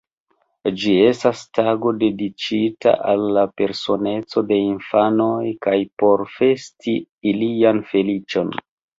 Ĝi estas tago dediĉita al la personeco de infanoj kaj por festi ilian feliĉon.